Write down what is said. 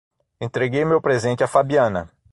Entreguei meu presente à Fabiana